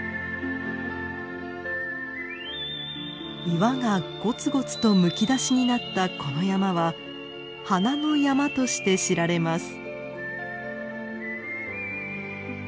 岩がゴツゴツとむき出しになったこの山は花の山として知られます。